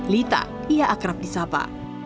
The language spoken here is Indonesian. lita ia akrab di sapa